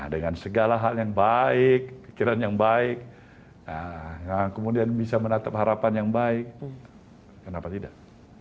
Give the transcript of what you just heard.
dengan segala hal yang baik pikiran yang baik kemudian bisa menatap harapan yang baik kenapa tidak